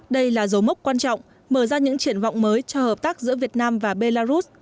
đây là dấu mốc quan trọng mở ra những triển vọng mới cho hợp tác giữa việt nam và belarus